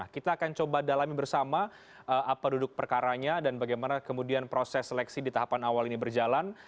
kita akan coba dalami bersama apa duduk perkaranya dan bagaimana kemudian proses seleksi di tahapan awal ini berjalan